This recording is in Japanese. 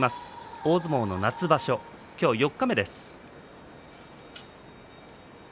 大相撲の夏場所今日は四日目です。